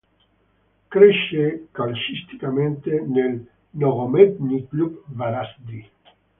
Cresce calcisticamente nel Nogometni Klub Varaždin.